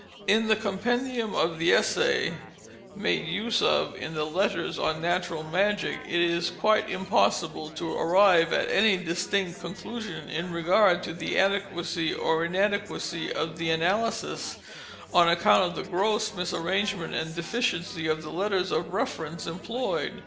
In the compendium of the Essay, made use of in the Letters on Natural Magic, it is quite impossible to arrive at any distinct conclusion in regard to the adequacy or inadequacy of the analysis, on account of the gross misarrangement and deficiency of the letters of reference employed.